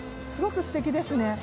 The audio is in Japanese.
すごくすてきですね。